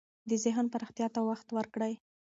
د ذهن پراختیا ته وخت ورکړئ.